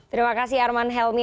terima kasih arman helmi